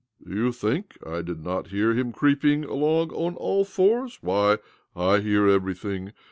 "Do you think I did not hear hi creeping along on all fours? Why, I he; everything.